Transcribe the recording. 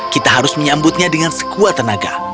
kita harus menyambutnya dengan sekuat tenaga